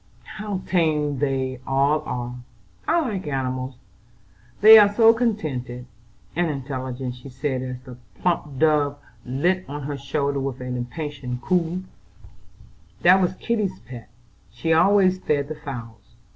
"How tame they all are! I like animals, they are so contented and intelligent," she said, as a plump dove lit on her shoulder with an impatient coo. "That was Kitty's pet, she always fed the fowls.